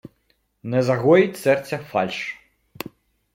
Не загоїть серця фальш.